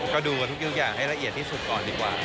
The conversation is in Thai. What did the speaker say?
ก็ดูทุกอย่างให้ละเอียดที่สุดก่อนดีกว่า